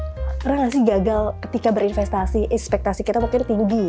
pernah nggak sih gagal ketika berinvestasi ekspektasi kita mungkin tinggi